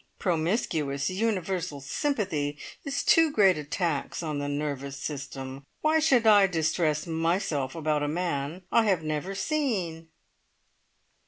Promiscuous universal sympathy is too great a tax on the nervous system. Why should I distress myself about a man I have never seen?"